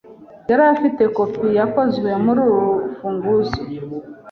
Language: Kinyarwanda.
Yari afite kopi yakozwe muri uru rufunguzo.